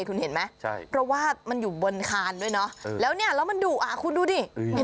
คุณเห็นไหมเพราะว่ามันอยู่บนคานด้วยเนอะแล้วเนี่ยแล้วมันดุอ่ะคุณดูดิ